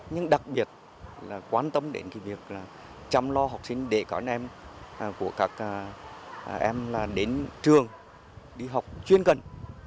nhưng đặc biệt là quan tâm đến việc chăm lo học sinh để các em đến trường đi học chuyên cần